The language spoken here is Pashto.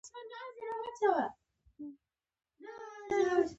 خاوره د افغانستان د طبیعي زیرمو یوه ډېره مهمه برخه ده.